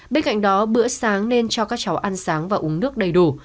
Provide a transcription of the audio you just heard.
bên cạnh đó bữa sáng nên cho các cháu ăn sáng và uống nước đầy đủ